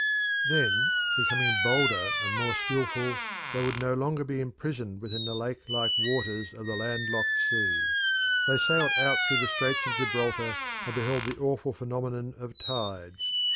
Then, becoming bolder and more skilful, they would no longer be imprisoned within the lake like waters of the land locked sea. They sailed out through the Straits of Gibraltar and beheld the awful phenomenon of tides.